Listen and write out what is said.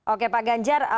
oke pak ganjar